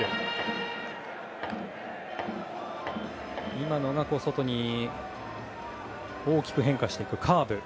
今のが外に大きく変化していくカーブ。